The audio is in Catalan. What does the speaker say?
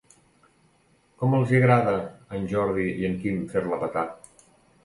Com els hi agrada a en Jordi i en Quim fer-la petar.